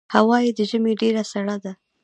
هوا یې د ژمي ډېره سړه ده.